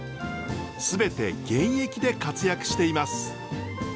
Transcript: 全て現役で活躍しています。